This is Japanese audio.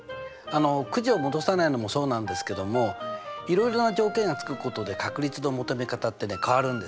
くじを戻さないのもそうなんですけどもいろいろな条件がつくことで確率の求め方って変わるんですよね。